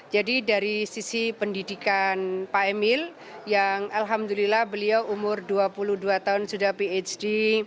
jadi dari sisi pendidikan pak emil yang alhamdulillah beliau umur dua puluh dua tahun sudah phd